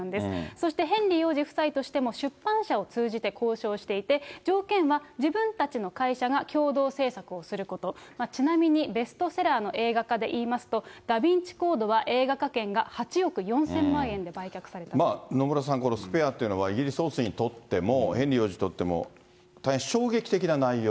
そしてヘンリー王子夫妻としても、出版社を通じて交渉していて、条件は自分たちの会社が共同制作をすること、ちなみにベストセラーの映画化でいいますと、ダ・ヴィンチ・コードは映画化権が８億４０００万円で売却された野村さん、スペアっていうのは、イギリス王室にとっても、ヘンリー王子にとっても、大変衝撃的な内容。